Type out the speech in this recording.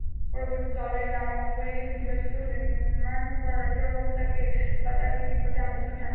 পরবর্তী Dalai Lama Mongolia থেকে নির্বাচিত হলে র্নাম-পার-র্গ্যাল-বা তাকে তিব্বতে আমন্ত্রণ জানান।